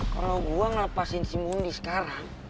kalau gue ngelepasin si mundi sekarang